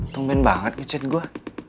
tunggu banget ngechat gue